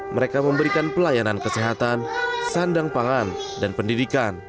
mereka memberikan pelayanan kesehatan sandang pangan dan pendidikan